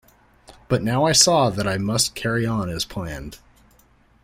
But now I saw that I must carry on as planned.